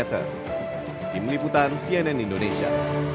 tim liputan cnn indonesia